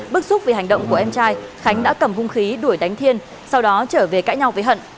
bức xúc vì hành động của em trai khánh đã cầm hung khí đuổi đánh thiên sau đó trở về cãi nhau với hận